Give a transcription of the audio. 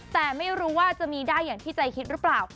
แต่ไม่รู้ว่าจะมีได้อย่างที่ใจคิดหรือเปล่า